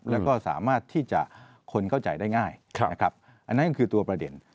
แล้วก็สามารถที่จะคนเข้าใจได้ง่ายนะครับอันนั้นคือตัวประเด็น